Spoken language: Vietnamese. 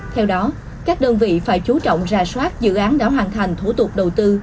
theo đó các đơn vị phải chú trọng rà soát dự án đã hoàn thành thủ tục đầu tư